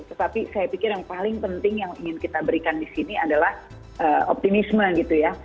tetapi saya pikir yang paling penting yang ingin kita berikan di sini adalah optimisme gitu ya